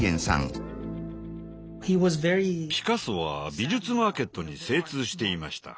ピカソは美術マーケットに精通していました。